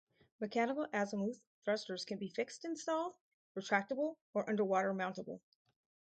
Mechanical azimuth thrusters can be fixed installed, retractable or underwater-mountable.